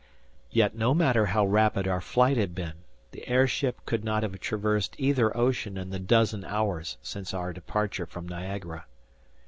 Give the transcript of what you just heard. Yet no matter how rapid our flight had been, the air ship could not have traversed either ocean in the dozen hours since our departure from Niagara.